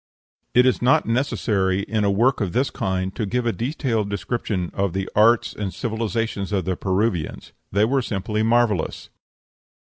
It is not necessary, in a work of this kind, to give a detailed description of the arts and civilization of the Peruvians. They were simply marvellous.